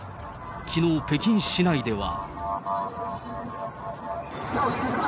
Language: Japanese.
きのう、北京市内では。